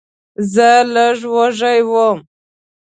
زه لږ وږی وم.